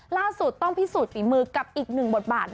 ล่าสุดต้องพิสูจนฝีมือกับอีกหนึ่งบทบาท